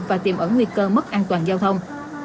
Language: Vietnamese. và tiềm ẩn nguy cơ mất an toàn giao thông